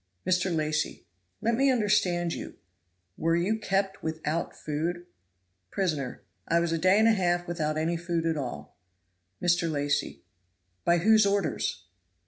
Mr. Lacy. "Let me understand you were you kept without food?" Prisoner. "I was a day and a half without any food at all." Mr. Lacy. "By whose orders?"